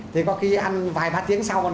thì có khi ăn vài ba tiếng sau